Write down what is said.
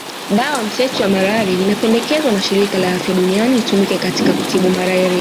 Dawa mseto ya malaria inapendekezwa na Shirika la Afya Duniani itumike katika kutibu malaria